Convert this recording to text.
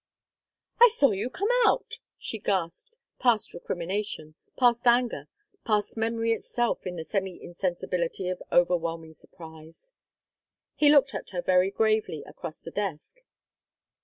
"I saw you come out!" she gasped, past recrimination, past anger, past memory itself in the semi insensibility of over whelming surprise. He looked at her very gravely across the desk.